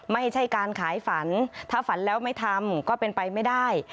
ไม่ใช่การขายฝันถ้าฝันแล้วไม่ทำก็เป็นไปไม่ได้